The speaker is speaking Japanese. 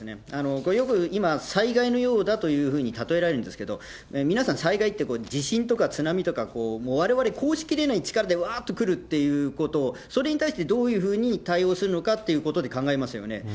これよく、今、災害のようだというふうに例えられるんですけれども、皆さん、災害って地震とか津波とか、われわれ、抗しきれない力でわーっと来るっていうことを、それに対して、どういうふうに対応するのかということで考えますよね。